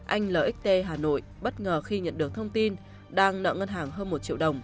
anh lt hà nội bất ngờ khi nhận được thông tin đang nợ ngân hàng hơn một triệu đồng